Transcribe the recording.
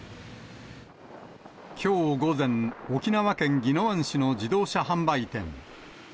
きょう午前、沖縄県宜野湾市の自動車販売店。